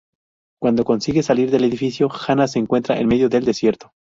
Cuando consigue salir del edificio, Hanna se encuentra en medio del desierto.